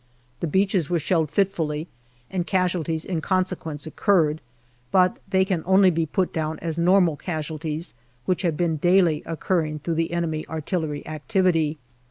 The beaches were shelled fitfully, and casualties in consequence occurred, but they can only be put down as normal casualties which have been daily occurring through the enemy artillery activity.